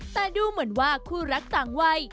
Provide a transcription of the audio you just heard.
แต่ดูเหมือนว่าคู่รักต่างวัย